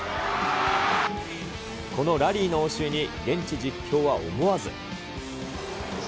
このラリーの応酬に、現地実況は思わず。